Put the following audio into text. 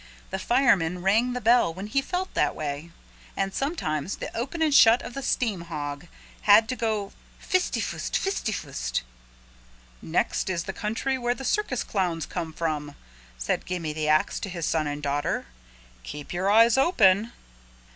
The fireman rang the bell when he felt that way. And sometimes the open and shut of the steam hog had to go pfisty pfoost, pfisty pfoost. "Next is the country where the circus clowns come from," said Gimme the Ax to his son and daughter. "Keep your eyes open."